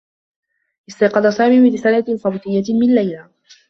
استيقظ سامي برسالة صوتيّة من ليلى.